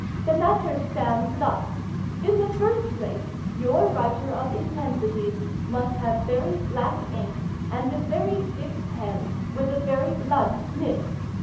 The matter stands thus: In the first place your writer of intensities must have very black ink, and a very big pen, with a very blunt nib.